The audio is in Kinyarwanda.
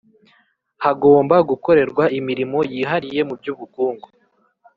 Hagomba gukorerwa imirimo yihariye mu by’ubukungu